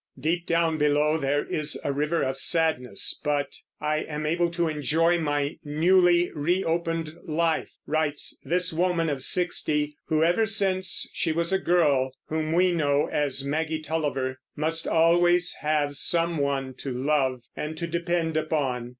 "Deep down below there is a river of sadness, but ... I am able to enjoy my newly re opened life," writes this woman of sixty, who, ever since she was the girl whom we know as Maggie Tulliver, must always have some one to love and to depend upon.